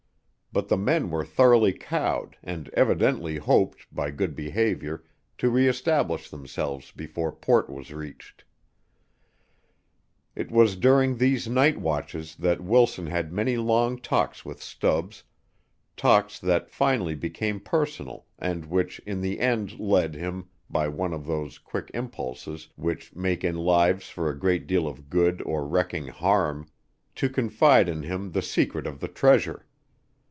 But the men were thoroughly cowed, and evidently hoped, by good behavior, to reëstablish themselves before port was reached. It was during these night watches that Wilson had many long talks with Stubbs talks that finally became personal and which in the end led him, by one of those quick impulses which make in lives for a great deal of good or wrecking harm, to confide in him the secret of the treasure.